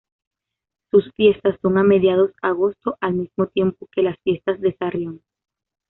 Sus fiestas son a mediados agosto; al mismo tiempo que las fiestas de Sarrión.